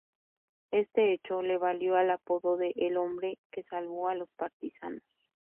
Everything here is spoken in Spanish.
Este hecho le valió el apodo de "el hombre que salvó a los partisanos".